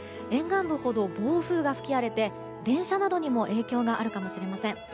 沿岸部ほど暴風が吹き荒れて電車などにも影響があるかもしれません。